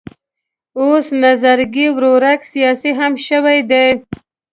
اوس نظرګی ورورک سیاسي هم شوی دی.